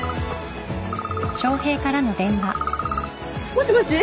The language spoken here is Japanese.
もしもし。